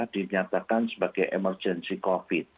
dinyatakan sebagai emergensi covid